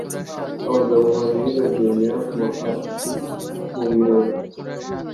Abagabo babiri bagendera ku mafarashi mu birori